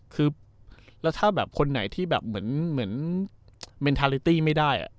คือแล้วถ้าแบบคนไหนที่แบบเหมือนเหมือนไม่ได้อ่ะ